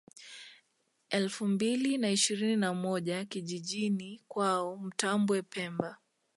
Elfu mbili na ishirini na moja kijijiini kwao Mtambwe pemba